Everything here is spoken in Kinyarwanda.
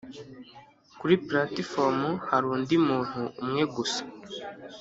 kuri platifomu hari undi muntu umwe gusa